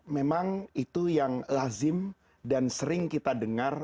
memang itu yang lazim dan sering kita dengar